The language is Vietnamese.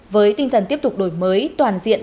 với tinh thần tiếp tục đổi mới toàn diện